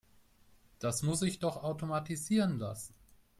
Das muss sich doch automatisieren lassen.